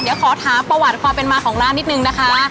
เดี๋ยวขอถามประวัติความเป็นมาของร้านนิดนึงนะคะ